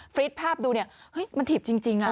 ฟริตภาพดูนี่เฮ้ยมันถีบจริงอ่ะ